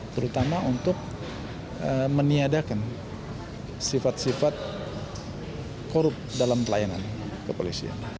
terutama untuk meniadakan sifat sifat korup dalam pelayanan kepolisian